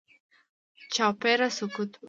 چاپېره سکوت و.